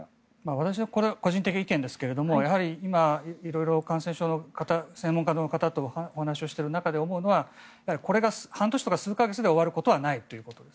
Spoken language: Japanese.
私の個人的な意見ですが今、色々、感染症の専門家の方とお話をしている中で思うのはこれが半年とか数か月で終わることはないということです。